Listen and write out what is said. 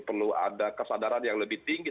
perlu ada kesadaran yang lebih tinggi